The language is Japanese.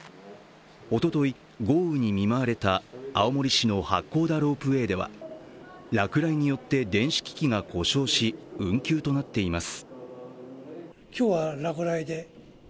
おととい、豪雨に見舞われた青森市の八甲田ロープウエーでは落雷によって電子機器が故障し運休となっています。